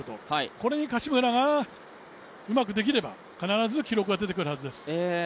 これに柏村がうまくできれば、必ず記録は出てくるはずです。